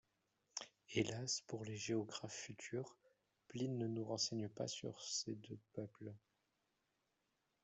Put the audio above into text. Hélas pour les géographes futurs, Pline ne nous renseigne pas sur ces deux peuples.